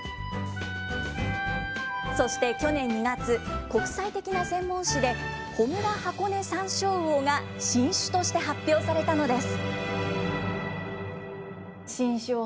そして去年２月、国際的な専門誌で、ホムラハコネサンショウウオが新種として発表されたのです。